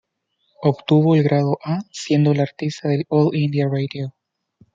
Obtuvo el grado 'A' siendo el artista de "All India Radio".